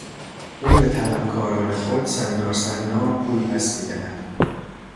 او به طلبکاران خود صنارصنار پول پس میدهد.